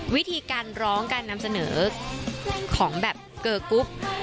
วิธีการร้องการนำเสนอของแบบเกอร์กรุ๊ป